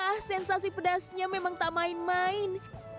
ah sensasi pedasnya memang tak main main